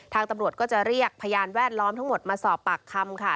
ตำรวจก็จะเรียกพยานแวดล้อมทั้งหมดมาสอบปากคำค่ะ